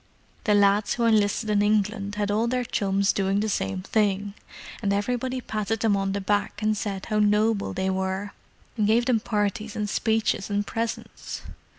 The lads who enlisted in England had all their chums doing the same thing, and everybody patted them on the back and said how noble they were, and gave them parties and speeches and presents.